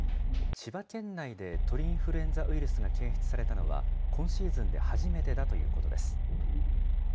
千葉県内で鳥インフルエンザウイルスが検出されたのは、今シーズンで初めてだということです。